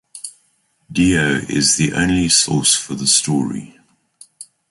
Dio is the only source for the story.